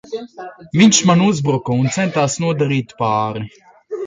Viņš man uzbruka un centās nodarīt pāri!